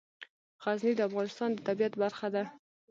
غزني د افغانستان د طبیعت برخه ده.